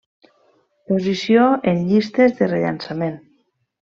Posició en llistes del rellançament.